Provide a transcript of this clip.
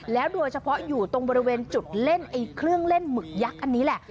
โดยเฉพาะอยู่ตรงบริเวณจุดเล่นเครื่องเล่นหมึกยักษ์อันนี้แหละ